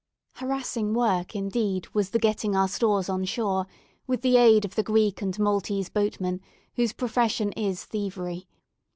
Harassing work, indeed, was the getting our stores on shore, with the aid of the Greek and Maltese boatmen, whose profession is thievery.